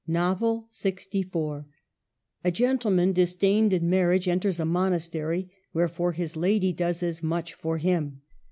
NOVEL LXIV . A gentlemaJi disdained in marriage enters a monastery, wherefore his lady does as much for him.